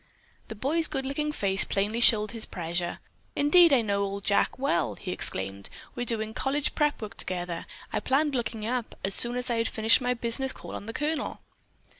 The boy's good looking face plainly showed his pleasure. "Indeed I know old Jack well," he exclaimed. "We're doing college prep work together. I planned looking him up as soon as I had finished my business call on the Colonel."